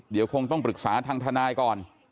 เดี๋ยวคงต้องปรึกษาทางทนายก่อน